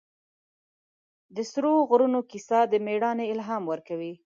د سرو غرونو کیسه د مېړانې الهام ورکوي.